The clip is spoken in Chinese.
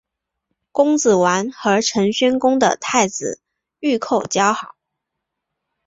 公子完和陈宣公的太子御寇交好。